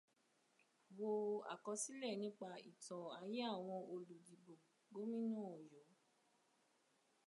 Wo àkọsílẹ̀ nípa ìtan ayé àwọn oludìbò gómìnà Ọ̀yọ́.